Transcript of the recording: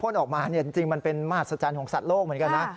ออกมาจริงมันเป็นมหัศจรรย์ของสัตว์โลกเหมือนกันนะ